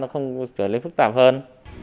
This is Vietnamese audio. nó không phải trở nên phức tạp hơn